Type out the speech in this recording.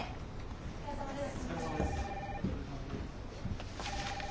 お疲れさまです。